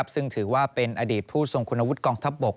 ซึ่งถือว่าเป็นอดีตผู้ทรงคุณวุฒิกองทัพบก